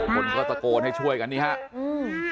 ค่ะคนก็ตะโกนให้ช่วยกันนี่ฮะอืม